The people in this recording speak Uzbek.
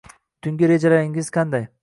Tungi rejalaringiz qanday?